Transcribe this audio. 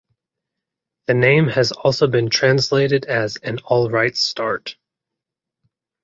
The name has also been translated as An alright start.